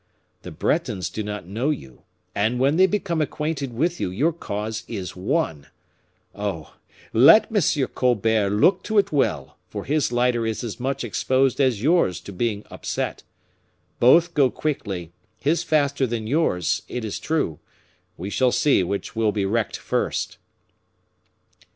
The Bretons do not know you; and when they become acquainted with you your cause is won! Oh! let M. Colbert look to it well, for his lighter is as much exposed as yours to being upset. Both go quickly, his faster than yours, it is true; we shall see which will be wrecked first."